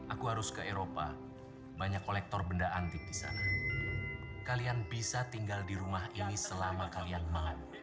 aku harus ke eropa banyak kolektor benda antik di sana kalian bisa tinggal di rumah ini selama kalian makan